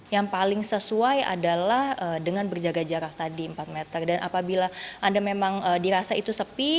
yang paling sesuai adalah dengan berjaga jarak tadi empat meter dan apabila anda memang dirasa itu sepi